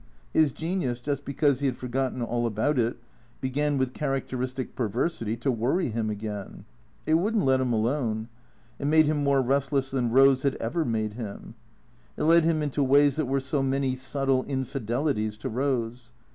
His genius, just because he had forgotten all about it, began with characteristic perversity to worry him again. It would n't let him alone. It made him more restless than Eose had ever made him. It led him into ways that were so many subtle infidelities to Eose.